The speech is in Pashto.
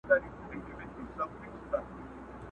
o خېرات دي وسه، د مړو دي ښه په مه سه!